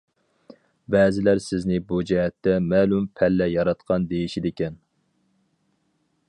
بەزىلەر سىزنى بۇ جەھەتتە مەلۇم پەللە ياراتقان دېيىشىدىكەن.